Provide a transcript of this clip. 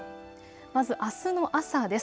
まずあすの朝です。